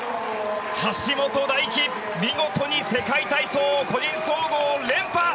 橋本大輝、見事に世界体操個人総合連覇！